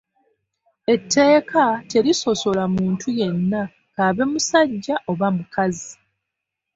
Etteeka terisosola muntu yenna kaabe musajja oba mukazi.